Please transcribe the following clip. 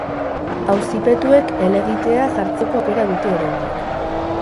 Auzipetuek helegitea jartzeko aukera dute oraindik.